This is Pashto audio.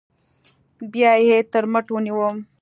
بيا يې تر مټ ونيوم.